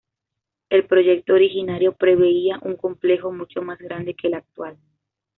El proyecto originario preveía un complejo mucho más grande que el actual.